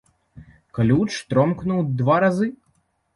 Ключ тромкнуў два разы.